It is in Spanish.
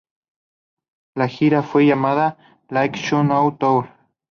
La gira fue llamada "Late Check-out Tour".